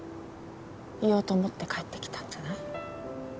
言おうと思って帰ってきたんじゃない？